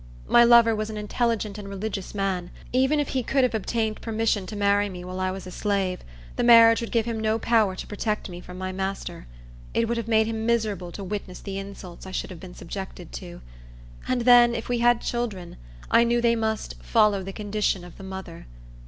My lover was an intelligent and religious man. Even if he could have obtained permission to marry me while I was a slave, the marriage would give him no power to protect me from my master. It would have made him miserable to witness the insults I should have been subjected to. And then, if we had children, I knew they must "follow the condition of the mother."